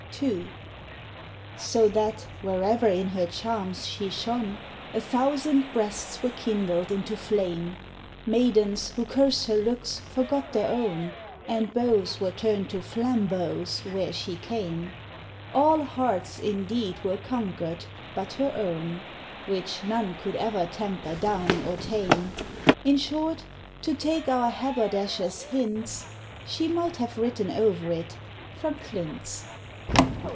II. So that, wherever in her charms she shone, A thousand breasts were kindled into flame; Maidens who cursed her looks forgot their own, And beaux were turn'd to flambeaux where she came; All hearts indeed were conquer'd but her own, Which none could ever temper down or tame: In short, to take our haberdasher's hints, She might have written over it, "from Flints."